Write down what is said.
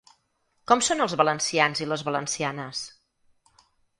Com som els valencians i les valencianes?